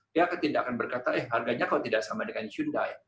dia tidak akan berkata eh harganya kalau tidak sama dengan hyundai